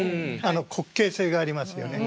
滑稽性がありますよね。